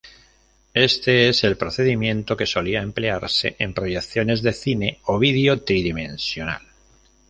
Este es el procedimiento que solía emplearse en proyecciones de cine o video tridimensional.